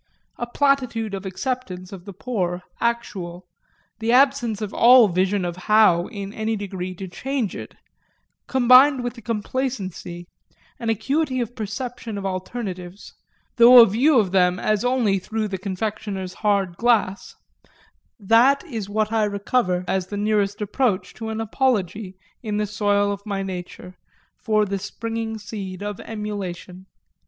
A platitude of acceptance of the poor actual, the absence of all vision of how in any degree to change it, combined with a complacency, an acuity of perception of alternatives, though a view of them as only through the confectioner's hard glass that is what I recover as the nearest approach to an apology, in the soil of my nature, for the springing seed of emulation.